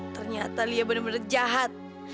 ternyata dia benar benar jahat